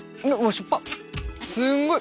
すんごい！